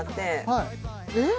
はいえっ？